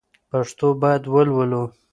پښتو باید ولولو